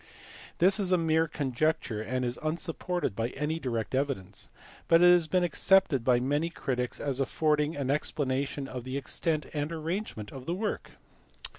This is a mere conjecture and is unsupported by any direct evidence, but it has been accepted by many critics as affording an ex planation of the extent and arrangement of the work.